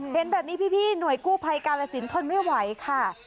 เห็นแบบนี้พี่หน่วยกู้ภัยกาลสินทนไม่ไหวค่ะ